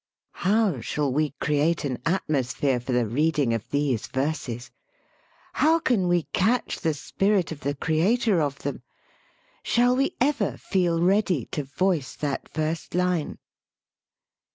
How shall we create an atmosphere for the reading of these verses! How can we catch the spirit of the creator of them! Shall we ever feel ready to voice that first line